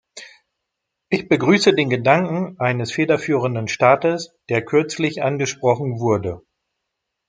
Ich begrüße den Gedanken eines federführenden Staates, der kürzlich angesprochen wurde.